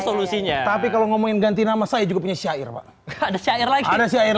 solusinya tapi kalau ngomongin ganti nama saya juga punya syair pak ada syair lagi ada syair